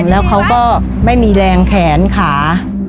แล้วเขาก็ไม่มีแรงแขนขา